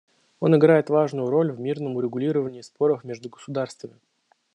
Он играет важную роль в мирном урегулировании споров между государствами.